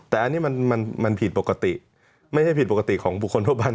แต่อันนี้มันผิดปกติไม่ใช่ผิดปกติของบุคคลทั่วไป